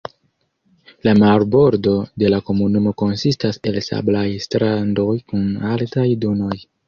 La marbordo de la komunumo konsistas el sablaj strandoj kun altaj dunoj.